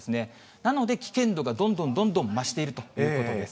なので危険度がどんどんどんどん増しているということです。